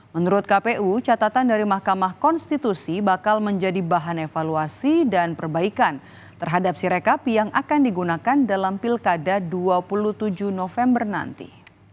menurut kpu catatan dari mahkamah konstitusi bakal menjadi bahan evaluasi dan perbaikan terhadap sirekap yang akan digunakan dalam pilkada dua puluh tujuh november nanti